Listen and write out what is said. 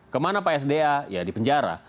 kemana pak sda ya di penjara